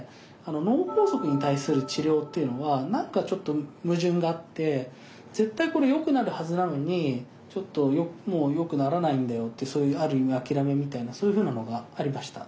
脳梗塞に対する治療っていうのは何かちょっと矛盾があって絶対これは良くなるはずなのにちょっともう良くならないんだよってそういうある意味諦めみたいなそういうふうなものがありました。